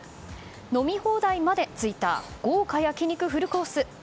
飲み放題までついた豪華焼き肉フルコース。